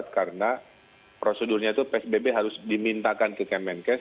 karena prosedurnya itu harus dimintakan ke kemenkes